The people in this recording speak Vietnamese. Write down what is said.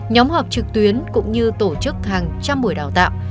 nhóm họp trực tuyến cũng như tổ chức hàng trăm buổi đào tạo